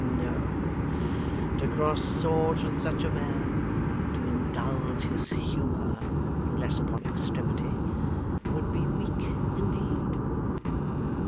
No. To cross swords with such a man to indulge his humour unless upon extremity would be weak indeed.